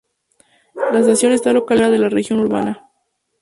La estación está localizada fuera de la región urbana.